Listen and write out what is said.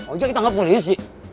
ojak ditangkap polisi